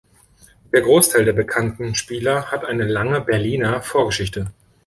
Der Großteil der bekannten Spieler hat eine lange Berliner Vorgeschichte.